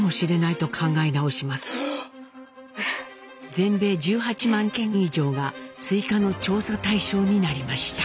全米１８万件以上が追加の調査対象になりました。